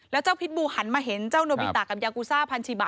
แล้วเจ้าพิษบูหันมาเห็นเจ้าโนบิตากับยากูซ่าพันชิบะ